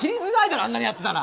あんなにやってたら。